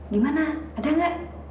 gimana ada gak